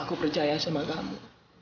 aku percaya sama kamu